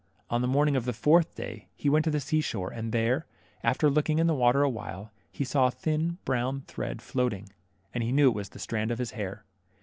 On the morning of the fourth day, he went to the sea shore, and there, after looking in the water awhile, he saw a thin brown thread floating, and he knew it was the strand of his hair.